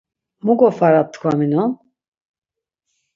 Muǩo fara ptkvaminon?